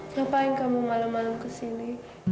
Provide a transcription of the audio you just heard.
ngapain kamu malam malam kesini